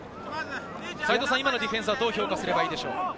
今のディフェンスはどう評価すればいいでしょう？